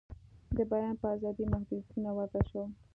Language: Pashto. د بیان په آزادۍ محدویتونه وضع شوي.